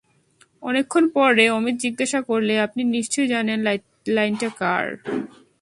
অনেকক্ষণ পরে অমিত জিজ্ঞাসা করলে, আপনি নিশ্চয় জানেন লাইনটা কার।